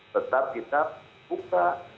tetap kita buka